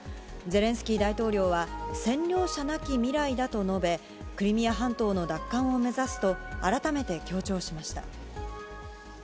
ゼレンスキー大統領は、占領者なき未来だと述べ、クリミア半島の奪還を目指すと、改めて強調しました。